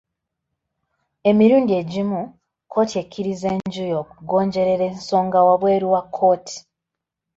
Emirundi egimu kkooti ekkiriza enjuyi okugonjoolera ensonga wabweru wa kkooti.